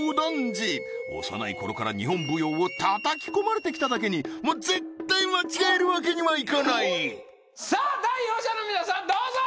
次幼いころから日本舞踊をたたき込まれてきただけにもう絶対間違えるわけにはいかないさあ代表者の皆さんどうぞ！